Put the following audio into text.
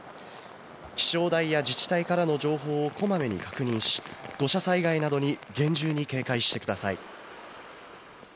気象台や自治体からの情報をこまめに確認し、土砂災害などに厳重に警戒してください。